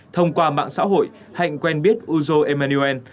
thông qua mạng xã hội hạnh quen biết uzo amaniel